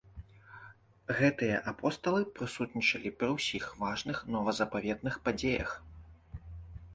Гэтыя апосталы прысутнічалі пры ўсіх важных новазапаветных падзеях.